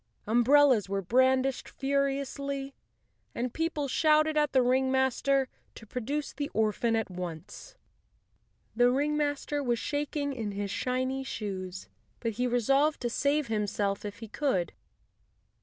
Umbrellas were brandished furiously, and people shouted at the ringmaster to pro¬ duce the orphan at once. The ringmaster was shak¬ ing in his shiny shoes, but he resolved to save himself if he could.